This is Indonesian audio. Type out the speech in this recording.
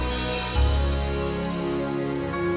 nih aki gua udah denger